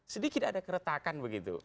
sedikit ada keretakan begitu